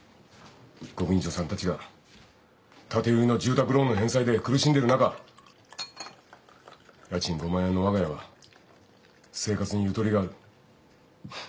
ご近所さんたちが建て売りの住宅ローンの返済で苦しんでる中家賃５万円のわが家は生活にゆとりがある。